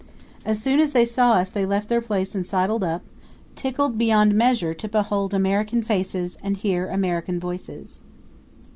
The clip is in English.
As soon as they saw us they left their place and sidled up, tickled beyond measure to behold American faces and hear American voices.